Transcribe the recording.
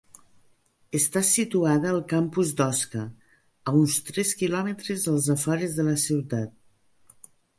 Està situada al campus d'Osca, a uns tres quilòmetres als afores de la ciutat.